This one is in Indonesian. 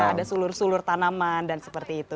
ada sulur sulur tanaman dan seperti itu